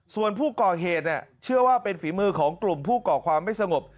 ส่วนผู้ก่อเหตุเชื่อว่าเป็นฝีมือของกลุ่มผู้ก่อความไม่สงบ